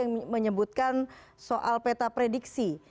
yang menyebutkan soal peta prediksi